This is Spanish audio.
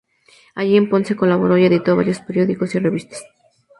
Allí en Ponce colaboró y editó en varios periódicos y revistas.